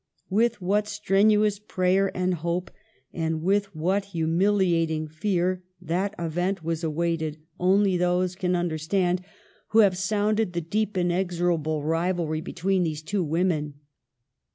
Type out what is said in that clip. With what strenu ous prayer and hope, and with what humiliating fear, that event was awaited, only those can CHILDHOOD AND MARRIAGE. 21 understand who have sounded the deep, inexo rable rivahy between these two women.